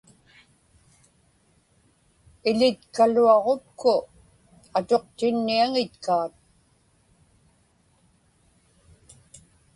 Iḷitkaluaġupku atuqtinniaŋitkaat.